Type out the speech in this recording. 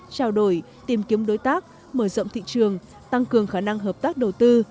trao đổi tìm kiếm đối tác mở rộng thị trường tăng cường khả năng hợp tác đầu tư